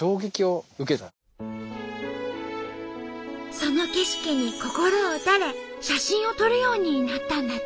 その景色に心を打たれ写真を撮るようになったんだって。